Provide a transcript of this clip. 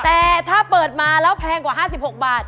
แต่ถ้าเปิดมาแล้วแพงกว่า๕๖บาท